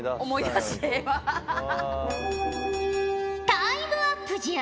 タイムアップじゃ。